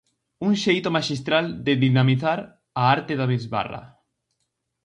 Un xeito maxistral de dinamizar a arte da bisbarra.